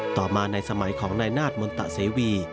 ต่อมาในสมัยของนายนาฏมนตะเสวี